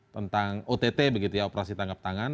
tentang ott begitu ya operasi tangkap tangan